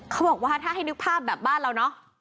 เขาบอกว่าถ้าให้นึกภาพแบบบ้านเราเนอะ